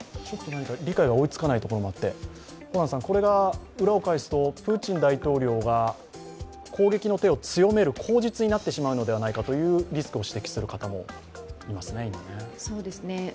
理解が追いつかないところもあってこれが裏を返すと、プーチン大統領が攻撃の手を強める口実になってしまうのではというリスクとする人もいますよね。